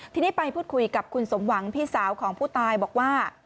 ทีนี้ไปพูดคุยกับคุณสมหวังพี่สาวของผู้ตายบอกว่า